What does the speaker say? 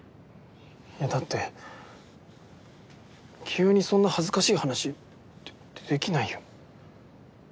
いやだって清居にそんな恥ずかしい話でできないよ。